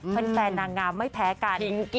แฟนนางงามไม่แพ้กัน